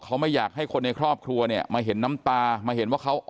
เขาไม่อยากให้คนในครอบครัวเนี่ยมาเห็นน้ำตามาเห็นว่าเขา